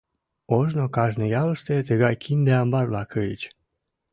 Ожно кажне ялыште тыгай кинде амбар-влак ыльыч.